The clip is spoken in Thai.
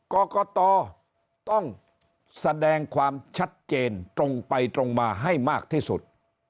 กรกตต้องแสดงความชัดเจนตรงไปตรงมาให้มากที่สุด